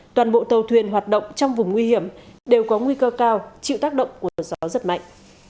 toàn bộ tàu thuyền hoạt động trong vùng nguy hiểm đều có nguy cơ cao chịu tác động của gió rất mạnh